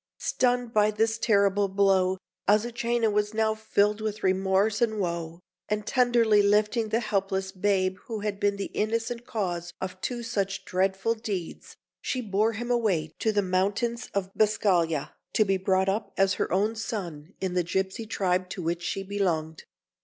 Stunned by this terrible blow, Azucena was now filled with remorse and woe, and tenderly lifting the helpless babe who had been the innocent cause of two such dreadful deeds, she bore him away to the mountains of Biscaglia, to be brought up as her own son in the gipsy tribe to which she belonged.